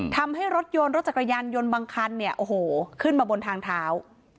ทำให้รถยนต์รถจักรยันต์ยนต์บังคันขึ้นมาบนทางเท้า